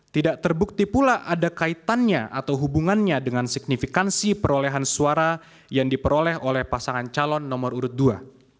tidak terbukti pula ada kaitannya atau hubungannya dengan signifikansi perolehan suara yang diperoleh oleh pasangan calon nomor urut dua